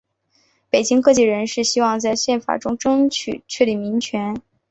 北京各界人士希望在宪法中争取确立民权。